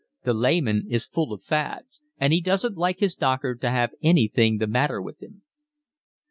The layman is full of fads, and he doesn't like his doctor to have anything the matter with him."